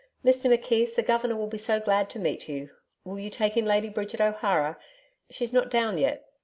Mr McKeith, the Governor will be so glad to meet you. Will you take in Lady Bridget O'Hara? She's not down yet.